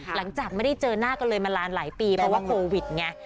หลังจากไม่ได้เจอหน้ากันเลยมานานหลายปีเพราะว่าโควิดไง